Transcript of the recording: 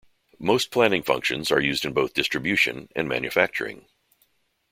Most planning functions are used in both Distribution and Manufacturing.